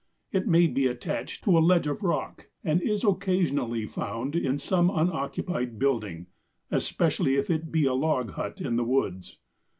It may be attached to a ledge of rock, and is occasionally found in some unoccupied building, especially if it be a log hut in the woods.